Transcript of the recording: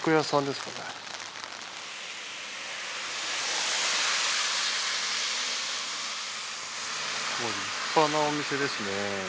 すごい立派なお店ですね。